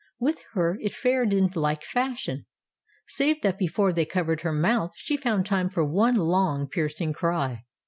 With her it fared in like fashion, save that before they covered her mouth she found time for one long piercing cry.